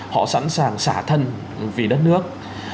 họ sẵn sàng xả thân vì đất nước